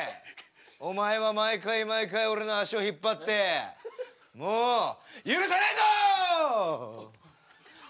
お前は毎回毎回俺の足を引っ張ってもう許さないぞ！